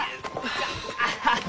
アハハ！